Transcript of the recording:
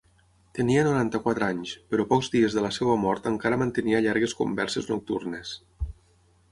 Tenia noranta-quatre anys, però pocs dies de la seva mort encara mantenia llargues converses nocturnes.